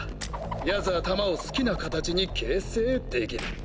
奴は弾を好きな形に形成できる。